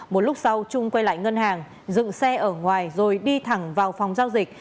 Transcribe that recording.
một lúc sau trung quay lại ngân hàng dựng xe ở ngoài rồi đi thẳng vào phòng giao dịch